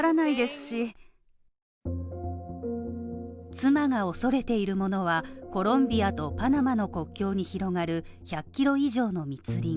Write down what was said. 妻が恐れているものはコロンビアとパナマの国境に広がる１００キロ以上の密林。